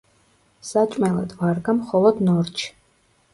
საჭმელად ვარგა მხოლოდ ნორჩი.